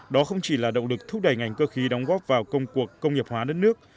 đó không chỉ là động lực thúc đẩy ngành cơ khí đóng góp vào công cuộc công nghiệp hóa đất nước